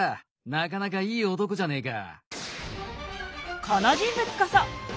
なかなかいい男じゃねえか。